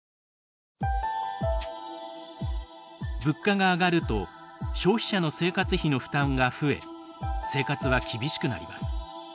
物価が上がると消費者の生活費の負担が増え生活は厳しくなります。